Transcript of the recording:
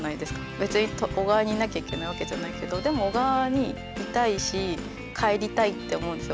別に小川にいなきゃいけないわけじゃないけどでも小川にいたいし帰りたいって思うんですよ